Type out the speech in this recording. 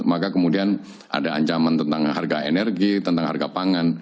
maka kemudian ada ancaman tentang harga energi tentang harga pangan